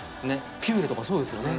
ピューレとかそうですよね。